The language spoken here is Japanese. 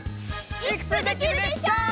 「いくつできるでショー？」